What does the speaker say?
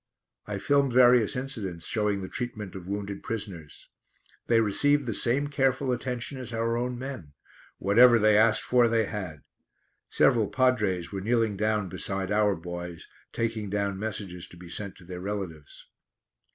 I filmed various incidents showing the treatment of wounded prisoners. They received the same careful attention as our own men; whatever they asked for they had. Several padres were kneeling down beside our boys, taking down messages to be sent to their relatives.